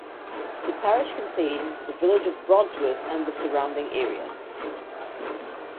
The parish contains the village of Brodsworth and the surrounding area.